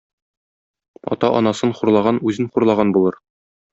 Ата-анасын хурлаган үзен хурлаган булыр.